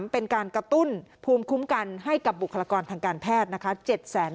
เป็นการกระตุ้นภูมิคุ้มกันให้กับบุคลากรทางการแพทย์นะคะ